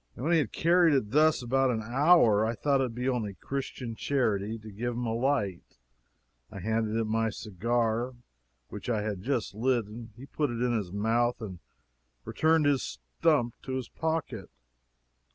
When he had carried it thus about an hour, I thought it would be only Christian charity to give him a light. I handed him my cigar, which I had just lit, and he put it in his mouth and returned his stump to his pocket!